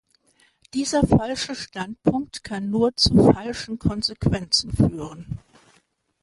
Dieser falsche Standpunkt kann nur zu falschen Konsequenzen führen!